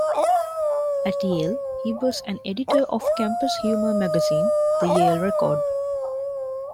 At Yale, he was an editor of campus humor magazine "The Yale Record".